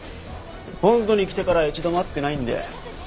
本土に来てから一度も会ってないんで。